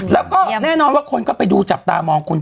แล้วก็แน่นอนว่าคนก็ไปดูจับตามองคน